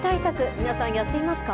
皆さんやっていますか。